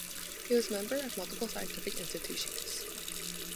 He was member of multiple scientific institutions.